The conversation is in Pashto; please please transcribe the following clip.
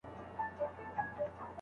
خریدار یې همېشه تر حساب تیر وي